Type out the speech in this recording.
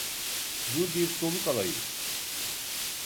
Dur bir soluk alayım!